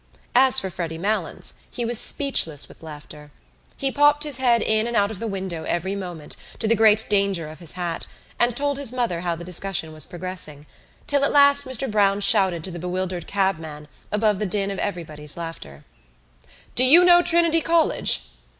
As for Freddy Malins he was speechless with laughter. He popped his head in and out of the window every moment to the great danger of his hat, and told his mother how the discussion was progressing, till at last Mr Browne shouted to the bewildered cabman above the din of everybody's laughter: "Do you know Trinity College?"